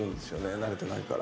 慣れてないから。